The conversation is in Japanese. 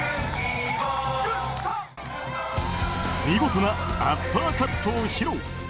見事なアッパーカットを披露。